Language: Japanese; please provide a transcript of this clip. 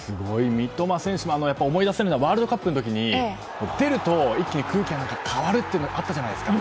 三笘選手も思い出すのはワールドカップの時に出ると一気に空気が変わるってあったじゃないですか。